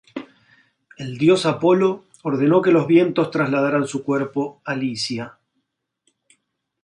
El dios Apolo ordenó que los vientos trasladaran su cuerpo a Licia.